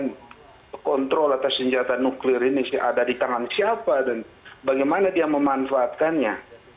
kemudian kontrol atas senjata nuklir ini ada di tangan siapa dan bagaimana dia memanfaatkannya